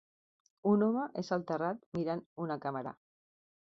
Un home és al terrat mirant una càmera.